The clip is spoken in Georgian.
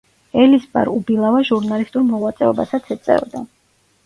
ელიზბარ უბილავა ჟურნალისტურ მოღვაწეობასაც ეწეოდა.